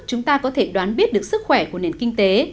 chúng ta có thể đoán biết được sức khỏe của nền kinh tế